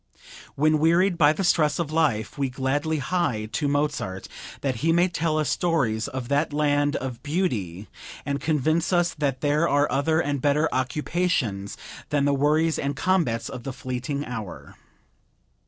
When wearied by the stress of life we gladly hie to Mozart that he may tell us stories of that land of beauty, and convince us that there are other and better occupations than the worries and combats of the fleeting hour.